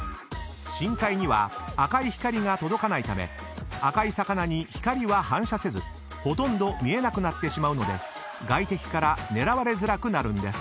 ［深海には赤い光が届かないため赤い魚に光は反射せずほとんど見えなくなってしまうので外敵から狙われづらくなるんです］